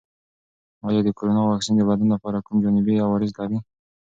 آیا د کرونا واکسین د بدن لپاره کوم جانبي عوارض لري؟